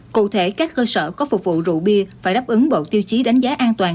cụ thể các cơ sở có phục vụ rượu bia phải đáp ứng bộ tiêu chí đánh giá an toàn